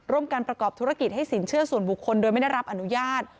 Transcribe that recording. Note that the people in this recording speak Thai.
การประกอบธุรกิจให้สินเชื่อส่วนบุคคลโดยไม่ได้รับอนุญาต